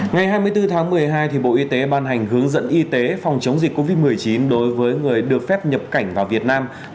ngày hai mươi bốn tháng một mươi hai bộ y tế ban hành hướng dẫn y tế phòng chống dịch covid một mươi chín đối với người được phép nhập cảnh vào việt nam